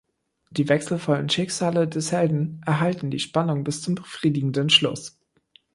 Die wechselvollen Schicksale des Helden erhalten die Spannung bis zum befriedigenden Schluß.